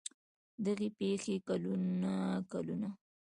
دغې پېښې کلونه کلونه